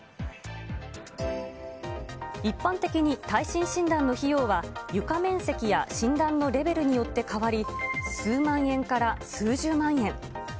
一般的に耐震診断の費用は、床面積や診断のレベルによって変わり、数万円から数十万円。